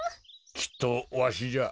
きっとわしじゃ。